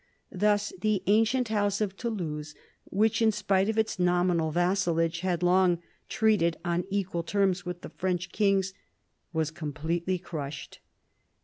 Thus the ancient house of Toulouse, which, in spite of its nominal vassalage, had long treated on equal terms with the French kings, was completely crushed.